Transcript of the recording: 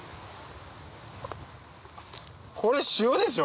これ塩でしょ？